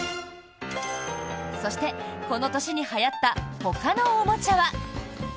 そして、この年にはやったほかのおもちゃは。